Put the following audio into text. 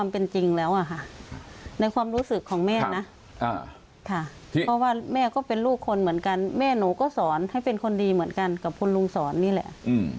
เพราะว่าแม่ก็เป็นลูกคนเหมือนกันแม่หนูก็สอนให้เป็นคนดีเหมือนกันกับคุณลุงสอนนี่แหละ